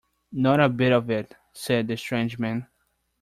"Not a bit of it," said the strange man.